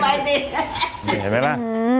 มันเฮียดมันบ่อมีซุ่มแล้วบ่อมีซุ่มคือเขาบ่อน่ารัก